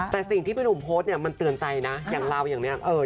แต่สิ่งที่พี่หนุ่มโพสต์เนี่ยมันเตือนใจนะอย่างเราอย่างนี้